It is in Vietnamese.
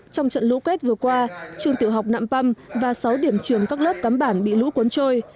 trong trận lũ quét vừa qua trường tiểu học nạm păm và sáu điểm trường các lớp cắm bản bị lũ cuốn trôi